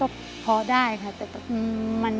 ก็พอได้ค่ะแต่ก็มันไม่ได้นิดนึง